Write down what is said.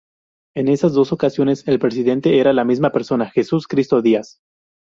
En esas dos ocasiones, el Presidente era la misma persona: Jesús Cristo Díaz.